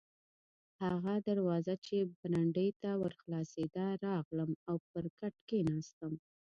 هغه دروازه چې برنډې ته ور خلاصېده، راغلم او پر کټ کښېناستم.